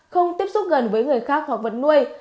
không tiếp xúc gần với người khác hoặc vật nuôi